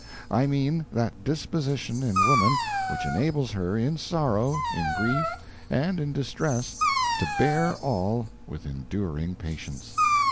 I mean that disposition in woman which enables her, in sorrow, in grief, and in distress, to bear all with enduring patience.